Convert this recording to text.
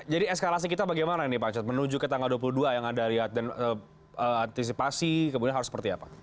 jadi eskalasi kita bagaimana nih pak pancet menuju ke tanggal dua puluh dua yang ada lihat dan antisipasi kemudian harus seperti apa